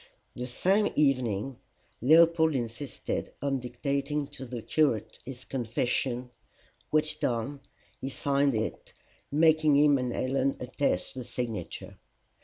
The same evening Leopold insisted on dictating to the curate his confession, which done, he signed it, making him and Helen attest the signature.